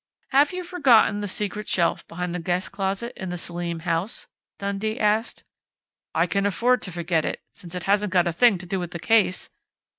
"Have you forgotten the secret shelf behind the guest closet in the Selim house?" Dundee asked. "I can afford to forget it, since it hasn't got a thing to do with the case!"